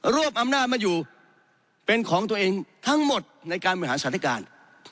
วบอำนาจมาอยู่เป็นของตัวเองทั้งหมดในการบริหารสถานการณ์